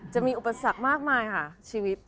จะมีอุปสรรคมากมายค่ะชีวิต